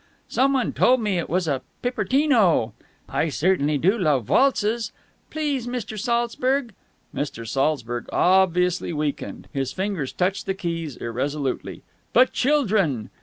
"Some one told me it was a pipterino!" "I cert'nly do love waltzes!" "Please, Mr. Saltzburg!" Mr. Saltzburg obviously weakened. His fingers touched the keys irresolutely. "But, childrun!"